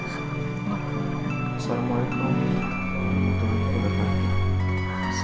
assalamualaikum warahmatullahi wabarakatuh